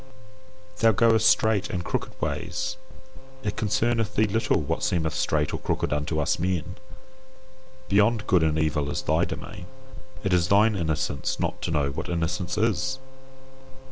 Thou goest straight and crooked ways; it concerneth thee little what seemeth straight or crooked unto us men. Beyond good and evil is thy domain. It is thine innocence not to know what innocence is.